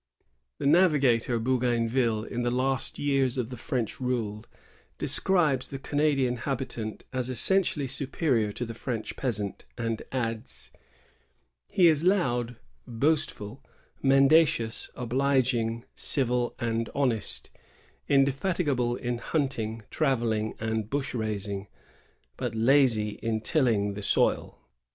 "^ The navigator Bougainville, in the last years of the French rule, describes the Canadian habitant as essentially superior to the French peasant, and adds, "He is loud, boastful, mendacious, obliging, civil, and honest; indefatigable in hunting, travelling, and bush ranging, but lazy in tilling the soil."